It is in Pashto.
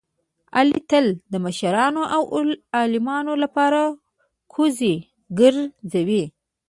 علي تل د مشرانو او عالمانو لپاره کوزې ګرځوي.